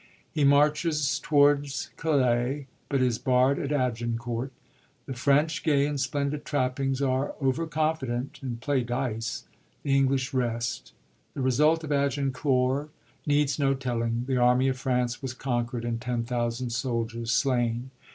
He marches towards Calais, but is barrd at Agincourt. The French, gay in splendid trap pings, are over confident, and play dice ; the English rest^ The result of Agincourt needs no telling ; the army of France was conquerd, and 10,000 soldiers slain.